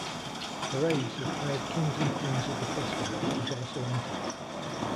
Parades of hired Kings and Queens of the festival is also entered.